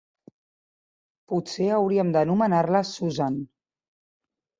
Potser hauríem d'anomenar-la Susan.